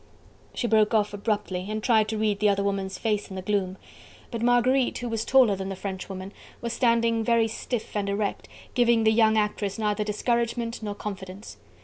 She broke off abruptly, and tried to read the other woman's face in the gloom. But Marguerite, who was taller than the Frenchwoman, was standing, very stiff and erect, giving the young actress neither discouragement nor confidence.